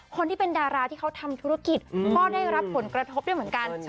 คนที่เป็นดาราที่เขาทำธุรกิจก็ได้รับผลกระทบด้วยเหมือนกัน